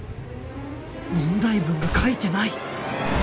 問題文が書いてない！！